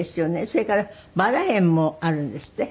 それからバラ園もあるんですって？